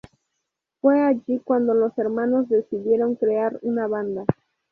Fue allí cuando los hermanos decidieron crear una banda.